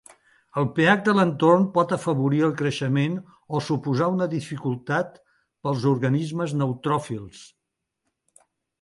El pH de l'entorn pot afavorir el creixement o suposar una dificultar per als organismes neutròfils.